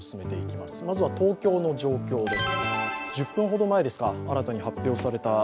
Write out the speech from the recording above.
まずは東京の状況です。